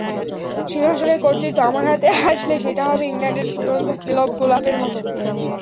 সিংহাসনের কর্তৃত্ব আমার হাতে আসলে সেটা হবে ইংল্যান্ডের ফুটন্ত পেলভ গোলাপের মতো।